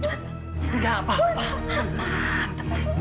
tidak apa apa tenang